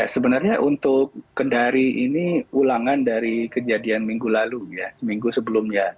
sebenarnya untuk kendari ini ulangan dari kejadian minggu lalu ya seminggu sebelumnya